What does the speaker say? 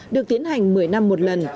được tiến hành một mươi năm một lần